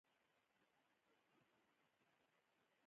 پیلوټ د هوښیار ذهن ښکارندوی دی.